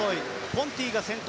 ポンティが先頭。